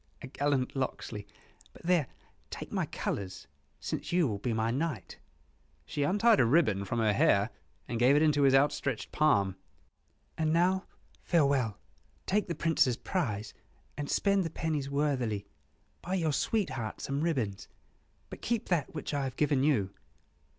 "Oh, a gallant Locksley! But there, take my colors, since you will be my knight." She untied a ribbon from her hair, and gave it into his outstretched palm. "And now, farewell; take the Prince's prize, and spend the pennies worthily. Buy your sweetheart some ribbons, but keep that which I have given you."